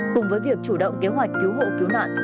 cùng với việc chủ động kế hoạch cứu hộ cứu nạn